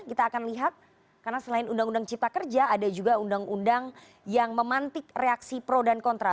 kita akan lihat karena selain undang undang cipta kerja ada juga undang undang yang memantik reaksi pro dan kontra